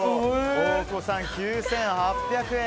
大久保さん、９８００円。